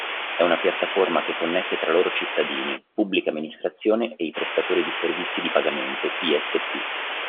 È una piattaforma che connette tra loro cittadini, Pubblica Amministrazione e i Prestatori di Servizi di Pagamento (PSP).